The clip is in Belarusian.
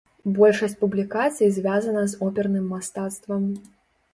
Большасць публікацый звязана з оперным мастацтвам.